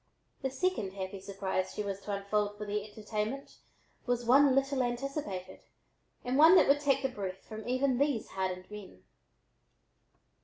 The second "happy surprise" she was to unfold for their entertainment was one little anticipated and one that would take the breath from even these hardened men.